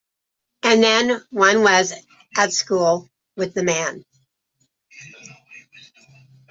And then one was at school with the man.